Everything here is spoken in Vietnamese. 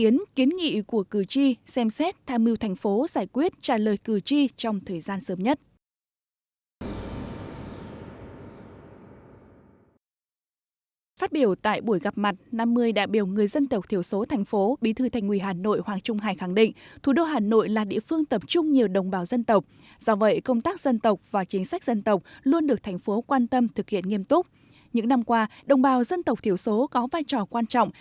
những năm qua đồng bào dân tộc thiểu số có vai trò quan trọng